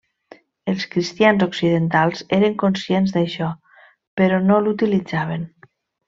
Els cristians occidentals eren conscients d'això, però no l'utilitzaven.